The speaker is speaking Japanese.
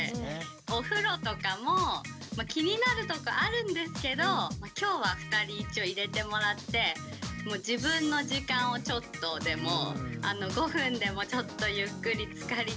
お風呂とかも気になるとこあるんですけど今日は２人一応入れてもらって５分でもちょっとゆっくりつかりたいから。